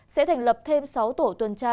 sẽ thành lập thêm sáu tổ tuần tra kinh tế